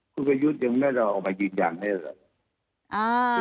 คุณประยุทธ์ยังไม่ได้ออกมายืนยันได้เลย